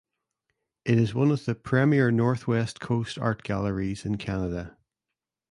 It is one of the premier Northwest Coast art galleries in Canada.